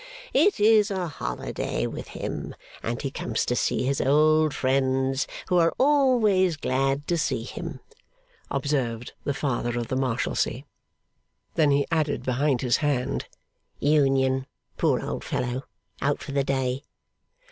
'It is a holiday with him, and he comes to see his old friends, who are always glad to see him,' observed the Father of the Marshalsea. Then he added behind his hand, ['Union, poor old fellow. Out for the day.